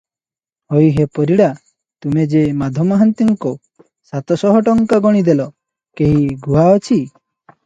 ହୋଇ ହେ ପରିଡ଼ା! ତୁମେ ଯେ ମାଧ ମହାନ୍ତିଙ୍କୁ ସାତ ଶହ ଟଙ୍କା ଗଣିଦେଲ, କେହି ଗୁହା ଅଛି?